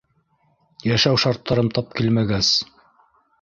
Йәшәү шарттарым тап килмәгәс.